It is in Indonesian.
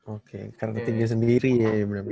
oke karena tinggi sendiri ya ya bener bener